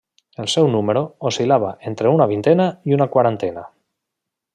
El seu número oscil·lava entre una vintena i una quarantena.